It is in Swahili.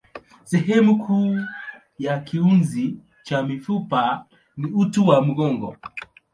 Sehemu kuu ya kiunzi cha mifupa ni uti wa mgongo.